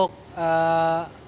pertanian ke depannya